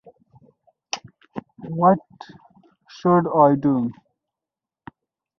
The right side shows the Cologne cross, which stands for the former Cologne district.